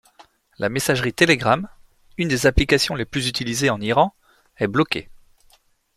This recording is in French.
La messagerie Telegram, une des applications les plus utilisées en Iran, est bloquée.